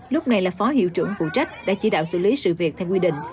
lúc này là phó hiệu trưởng phụ trách đã chỉ đạo xử lý sự việc theo quy định